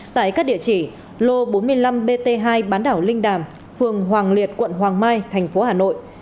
tại các địa chỉ lô bốn mươi năm bt hai bán đảo linh đàm phường hoàng liệt quận hoàng mai thành phố hà nội